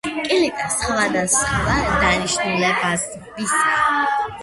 კილიტა სხვადასხვა დანიშნულებისაა.